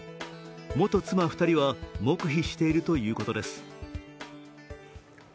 元妻２人は黙秘しているということです。